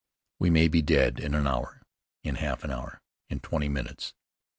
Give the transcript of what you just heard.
We may be dead in an hour, in half an hour, in twenty minutes."